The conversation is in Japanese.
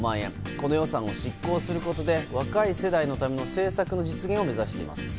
この予算を執行することで若い世代のための政策の実現を目指しています。